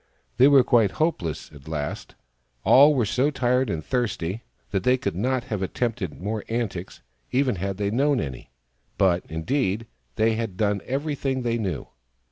They were quite hopeless, at last. All were so tired and thirsty that they could not have attempted more antics, even had they known any, but, indeed, they had done everything they knew.